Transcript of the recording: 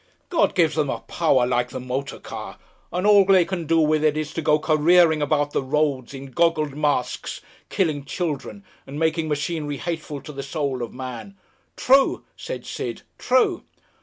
God gives them a power like the motor car, and all they can do with it is to go careering about the roads in goggled masks killing children and making machinery hateful to the soul of man! ("True," said Sid, "true.")